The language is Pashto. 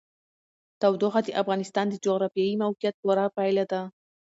تودوخه د افغانستان د جغرافیایي موقیعت پوره پایله ده.